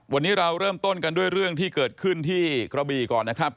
วันนี้เราเริ่มต้นกันด้วยเรื่องที่เกิดขึ้นที่กระบีก่อนนะครับ